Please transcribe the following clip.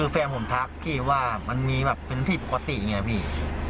แฟนผมทักพี่ว่ามันเป็นที่ปกติแบบนี้